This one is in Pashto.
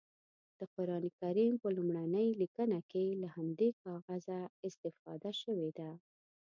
د قرانکریم په لومړنۍ لیکنه کې له همدې کاغذه استفاده شوې ده.